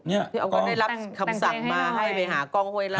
พี่อ๊อฟก็ได้รับคำสั่งมาให้ไปหากล้องห้วยลา